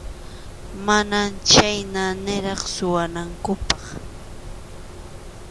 Mana chhayna niraq suwanankupaq.